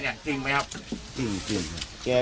อะก็คือ